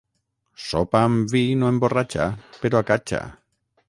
Sopa amb vi no emborratxa, però acatxa.